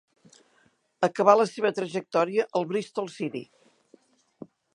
Acabà la seva trajectòria al Bristol City.